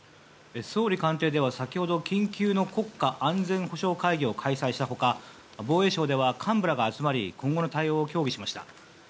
総理官邸では先ほど緊急の国家安全保障会議を開催した他防衛省では幹部らが集まり今後の対応を協議しました。